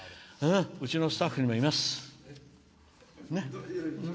うちのスタッフにもいます。ね！